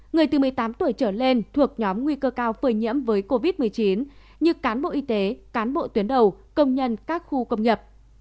người từ một mươi tám tuổi trở lên thuộc nhóm nguy cơ cao phơi nhiễm với covid một mươi chín như cán bộ y tế cán bộ tuyến đầu công nhân các khu công nghiệp